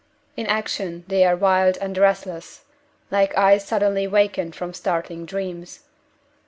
In action, they are wild and restless, like eyes suddenly wakened from startling dreams.